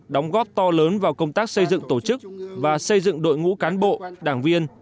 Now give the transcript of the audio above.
đóng góp to lớn vào công tác xây dựng tổ chức và xây dựng đội ngũ cán bộ đảng viên